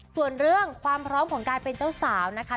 ส่วนเรื่องความพร้อมของการเป็นเจ้าสาวนะคะ